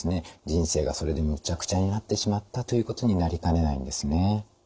人生がそれでめちゃくちゃになってしまったということになりかねないんですね。